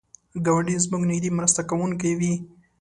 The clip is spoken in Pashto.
ګاونډی زموږ نږدې مرسته کوونکی وي